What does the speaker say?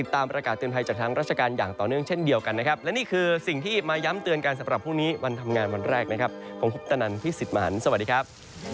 ตะนันพิสิทธิ์มหันสวัสดีครับ